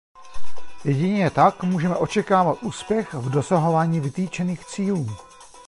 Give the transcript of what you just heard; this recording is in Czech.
Jedině tak můžeme očekávat úspěch v dosahování vytýčených cílů.